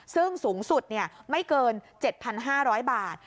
ซึ่งสูงสุดไม่เกิน๗๕๐๐บาท